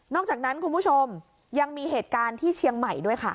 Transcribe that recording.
อกจากนั้นคุณผู้ชมยังมีเหตุการณ์ที่เชียงใหม่ด้วยค่ะ